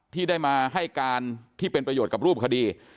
ที่ได้มาให้การที่เป็นประโยชน์กับรูปคดี